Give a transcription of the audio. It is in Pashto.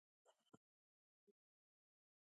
طبیعي زیرمې د افغانستان د ملي هویت نښه ده.